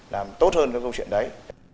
làm tốt hơn cái câu chuyện đấy